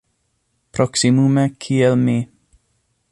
Proksimume kiel mi.